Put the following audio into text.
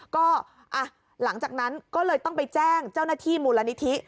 ก็หลังจากนั้นก็เลยต้องไปแจ้งเจ้าหน้าที่มูลนิธิ